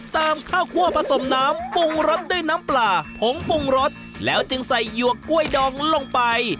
ข้าวคั่วผสมน้ำปรุงรสด้วยน้ำปลาผงปรุงรสแล้วจึงใส่หยวกกล้วยดองลงไป